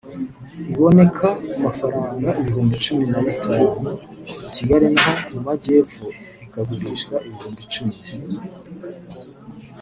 Iboneka ku mafaranga ibihumbi cumi na bitanu i Kigali naho mu Majyepfo ikagurishwa ibihumbi icumi